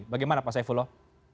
bagaimana pak saifullah